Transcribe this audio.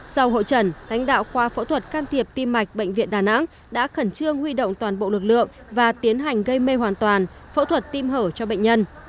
sau hội trần thánh đạo khoa phẫu thuật can thiệp tim mạch bệnh viện đà nẵng đã khẩn trương huy động toàn bộ lực lượng và tiến hành gây mê hoàn toàn phẫu thuật tim hở cho bệnh nhân